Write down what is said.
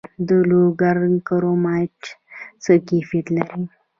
د لوګر کرومایټ څه کیفیت لري؟